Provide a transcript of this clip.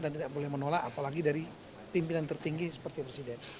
saya menolak apalagi dari pimpinan tertinggi seperti presiden